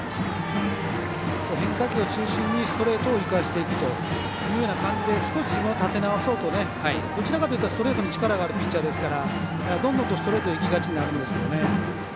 変化球を中心にストレートを生かしていく感じで少し、立て直そうとどちらかというとストレートに力があるピッチャーですからどんどんストレートにいきがちになるんですけどね。